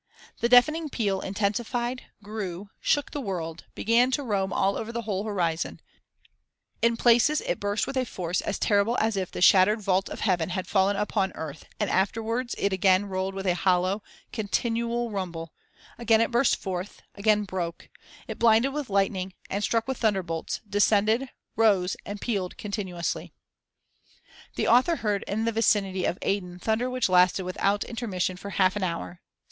The deafening peal intensified, grew, shook the world, began to roam all over the whole horizon; in places it burst with a force as terrible as if the shattered vault of heaven had fallen upon earth and afterwards it again rolled with a hollow, continual rumble; again it burst forth, again broke, it blinded with lightning, and struck with thunderbolts, descended, rose, and pealed continuously.* [* The author heard in the vicinity of Aden thunder which lasted without intermission for half an hour.